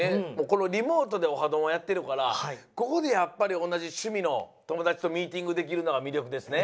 このリモートで「オハどん！」をやってるからここでやっぱりおなじしゅみのともだちとミーティングできるのがみりょくですね。